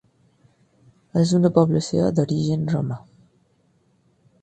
És una població d'origen romà.